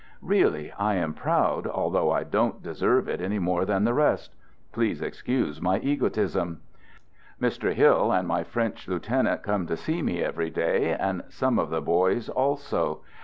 Really, I am proud, although I don't de serve it any more than the rest. Please excuse my egotism. Mr. Hill and my French lieutenant come to see me every day, and some of the boys also.